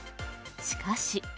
しかし。